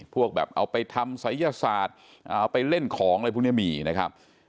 พวกแบบเอาไปทำศัยยศาสตร์เอาไปเล่นของอะไรพวกนี้มีนะครับ